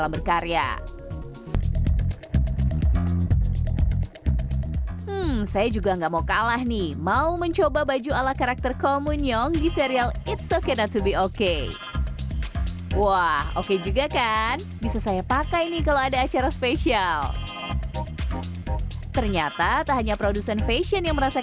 bagaimana situasi ini